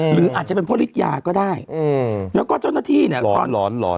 หรืออาจจะเป็นพ่อฤทยาก็ได้อืมแล้วก็เจ้าหน้าที่เนี่ยร้อนร้อนร้อน